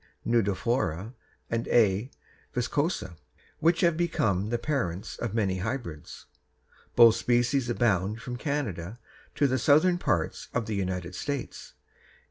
nudiflora_ and A. viscosa, which have become the parents of many hybrids. Both species abound from Canada to the southern parts of the United States.